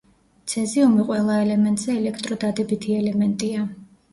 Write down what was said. ცეზიუმი ყველა ელემენტზე ელექტროდადებითი ელემენტია.